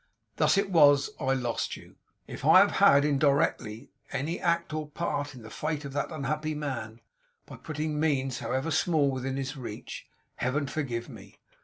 Thus it was I lost you. If I have had, indirectly, any act or part in the fate of that unhappy man, by putting means, however small, within his reach, Heaven forgive me!